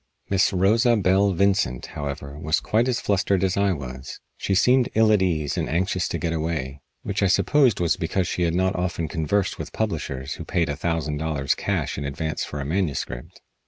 Miss Rosa Belle Vincent, however, was quite as flustered as I was. She seemed ill at ease and anxious to get away, which I supposed was because she had not often conversed with publishers who paid a thousand dollars cash in advance for a manuscript.